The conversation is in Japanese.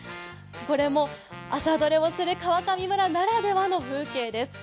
これも朝どれをする川上村ならではの風景です。